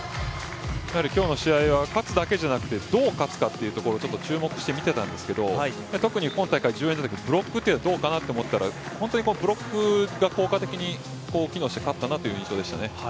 やはり今日の試合は、勝つだけではなく、どう勝つかというのをちょっと注目して見てたんですけど特に今大会重要になってくるブロックがどうかなと思っていたら本当にブロックが効果的に機能して勝ったなという印象でしたね。